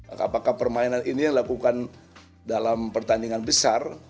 apakah permainan ini dilakukan dalam pertandingan besar